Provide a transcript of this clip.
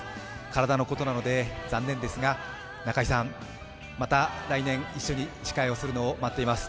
体のことなので、残念ですが中居さん、また来年一緒に司会をするのを待っています。